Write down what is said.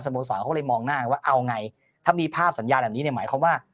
สมสารเขาเลยมองหน้าว่าเอาไงถ้ามีภาพสัญญาณแบบนี้หมายความว่า